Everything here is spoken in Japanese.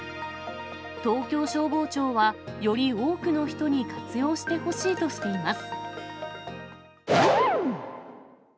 東京消防庁は、より多くの人に活用してほしいとしています。